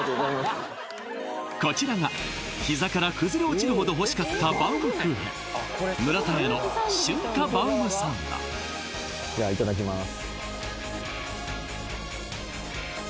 こちらが膝から崩れ落ちるほど欲しかったバウムクーヘンじゃあいただきます